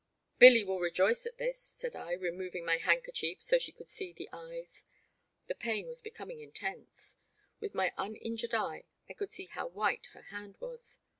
Billy will rejoice at this," said I, removing my handkerchief so she could see the eyes. The pain was becoming intense. With my uninjured eye I could see how white her hand was.